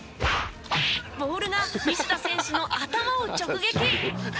ボールが西田選手の頭を直撃。